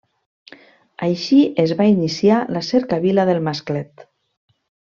Així es va iniciar la Cercavila del Masclet.